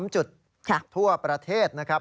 ๓จุดทั่วประเทศนะครับ